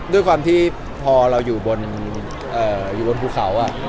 ด้วยความที่พอเราอยู่บนภูเขา